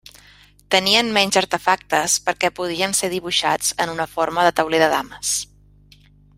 Tenien menys artefactes perquè podien ser dibuixats en una forma de tauler de dames.